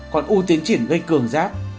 còn u tiến triển gây cường giáp